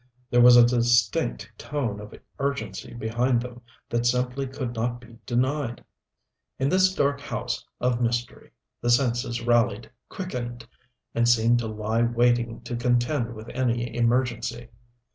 There was a distinct tone of urgency behind them that simply could not be denied. In this dark house of mystery the senses rallied, quickened, and seemed to lie waiting to contend with any emergency.